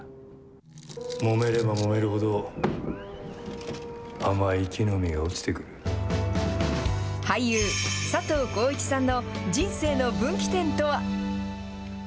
もめればもめるほど、俳優、佐藤浩市さんの人生の分岐点とは。